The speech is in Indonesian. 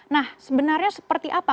nah sebenarnya seperti apa